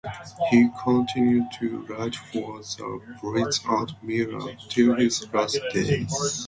He continued to write for The Blitz and Mirror till his last days.